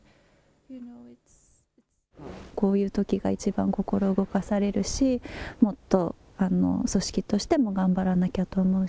こういうときが一番心動かされるし、もっと組織としても頑張らなきゃと思う。